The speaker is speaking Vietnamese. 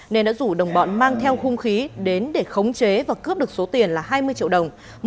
nên đã rủ đồng bọn mang theo hung khí đến để khống chế và cướp được số tiền là hai mươi triệu đồng